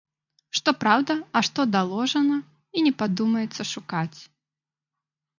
Што праўда, а што даложана, і не падумаецца шукаць.